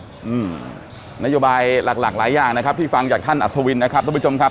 อืมนโยบายหลักหลากหลายอย่างนะครับที่ฟังจากท่านอัศวินนะครับทุกผู้ชมครับ